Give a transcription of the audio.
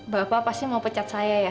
bapak pasti mau pecat saya ya